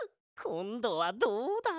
こんどはどうだ？